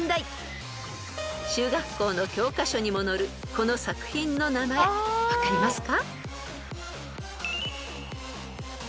［中学校の教科書にも載るこの作品の名前分かりますか？］